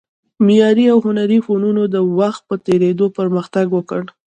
معماري او هنري فنونو د وخت په تېرېدو پرمختګ وکړ